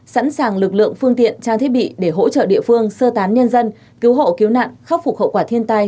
sẵn sàng lực lượng phương tiện trang thiết bị để hỗ trợ địa phương sơ tán nhân dân cứu hộ cứu nạn khắc phục hậu quả thiên tai